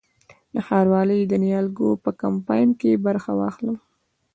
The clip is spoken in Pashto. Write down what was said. د ښاروالۍ د نیالګیو په کمپاین کې برخه واخلم؟